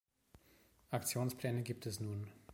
Aktionspläne gibt es nun.